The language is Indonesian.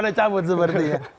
saya mau kabut